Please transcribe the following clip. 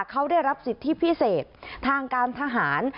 เขาได้รับสิทธิพิเศษทางการทหาร